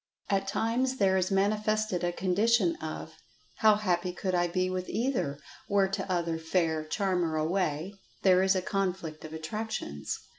At times there is manifested a condition of "how happy could I be with either, were t'other fair charmer away"—there is a conflict of attractions.